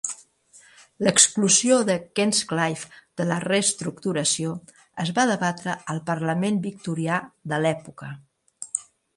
L'exclusió de Queenscliffe de la reestructuració es va debatre al Parlament victorià de l'època.